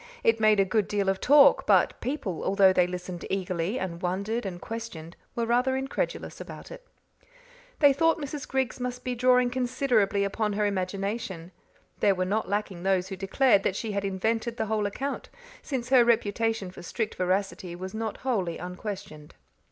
It made a good deal of talk, but people, although they listened eagerly, and wondered and questioned, were rather incredulous about it. They thought Mrs. Griggs must be drawing considerably upon her imagination; there were not lacking those who declared that she had invented the whole account, since her reputation for strict veracity was not wholly unquestioned.